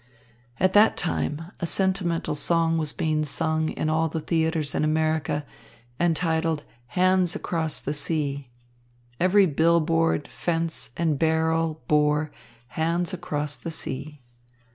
At that time a sentimental song was being sung in all the theatres in America, entitled "Hands Across the Sea." Every bill board, fence and barrel bore "Hands Across the Sea."